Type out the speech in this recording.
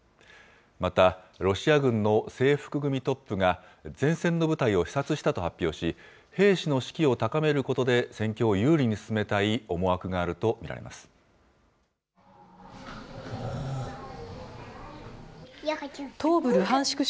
またロシア軍の制服組トップが、前線の部隊を視察したと発表し、兵士の士気を高めることで戦況を有利に進めたい思惑があると見ら東部ルハンシク